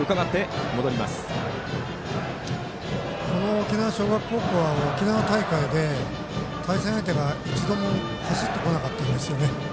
沖縄尚学高校は沖縄大会で対戦相手が一度も走ってこなかったんですよね。